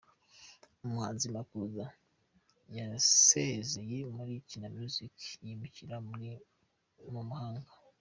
Umuhanzi Makuza yasezeye muri Kina Musiki yimukira muri Mumahanga